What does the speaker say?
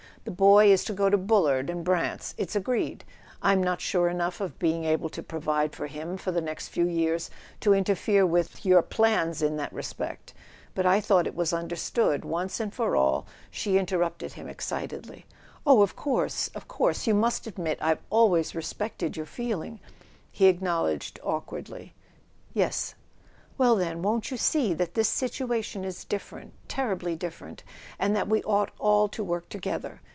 The boy is to go into Bullard and Brant's —it's agreed; I'm not sure enough of being able to pro¬ vide for him for the next few years to interfere with— with your plans in that respect. But I thought it was understood once for all " She interrupted him excitedly. "Oh, of course ...[ 20 ] A SON AT THE FRONT of course. You must admit I've always respected your feeling. .." He acknowledged awkwardly: "Yes." "Well, then—won't you see that this situation is different, terribly different, and that we ought all to work together